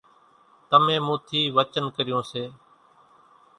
تمين مون ٿي وچن ڪريون سي